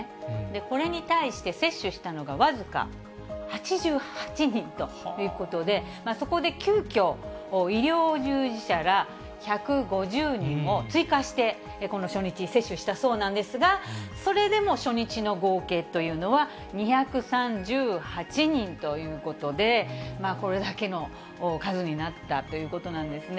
これに対して接種したのが僅か８８人ということで、そこで急きょ、医療従事者ら、１５０人を追加して、この初日、接種したそうなんですが、それでも初日の合計というのは２３８人ということで、これだけの数になったということなんですね。